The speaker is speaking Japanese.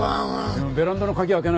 でもベランダの鍵開けないと。